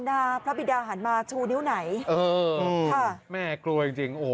จะได้อาบน้ำหรือยังครับ